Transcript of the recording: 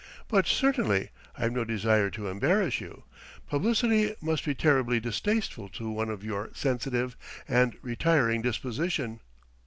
"But certainly: I've no desire to embarrass you: publicity must be terribly distasteful to one of your sensitive and retiring disposition....